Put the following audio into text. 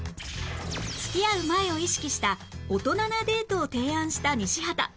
付き合う前を意識した大人なデートを提案した西畑